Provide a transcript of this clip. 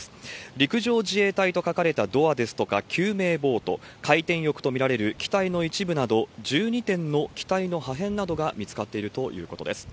陸上自衛隊と書かれたドアですとか、救命ボート、回転翼と見られる機体の一部など、１２点の機体の破片などが見つかっているということです。